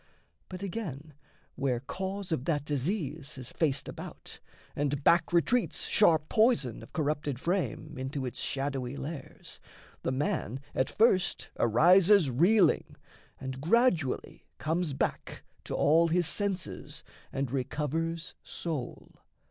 But, again, where cause Of that disease has faced about, and back Retreats sharp poison of corrupted frame Into its shadowy lairs, the man at first Arises reeling, and gradually comes back To all his senses and recovers soul.